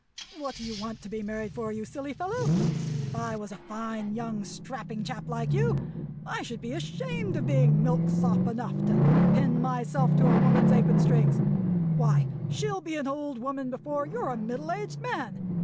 What do you want to be married for, you silly fellow? If I was a fine, young, strapping chap like you, I should be ashamed of being milksop enough to pin myself to a woman's apron strings! Why, she'll be an old woman before you're a middle aged man!